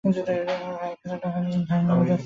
আমি ভাইয়ের কাছ থেকে টাকা ধার নিয়েছি।